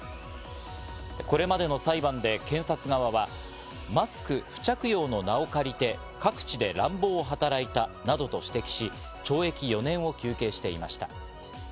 これまでの裁判で検察側は、マスク不着用の名を借りて、各地で乱暴を働いたなどと指摘し、懲役４年を求刑していました。